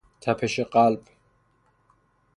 تپش قلب